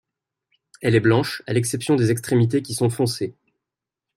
Elle est blanche, à l’exception des extrémités qui sont foncées.